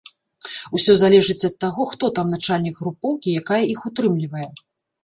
Усё залежыць ад таго, хто там начальнік групоўкі, якая іх утрымлівае.